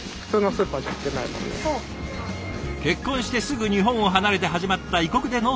結婚してすぐ日本を離れて始まった異国での生活。